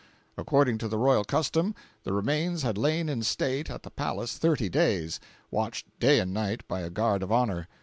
According to the royal custom, the remains had lain in state at the palace thirty days, watched day and night by a guard of honor.